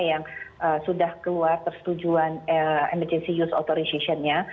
yang sudah keluar persetujuan emergency use authorization nya